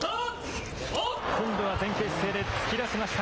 今度は前傾姿勢で突き出しました。